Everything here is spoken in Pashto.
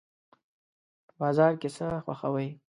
په بازار کې څه خوښوئ؟